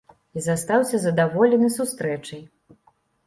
І застаўся задаволены сустрэчай.